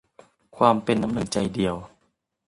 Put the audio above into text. ความเป็นน้ำหนึ่งใจเดียว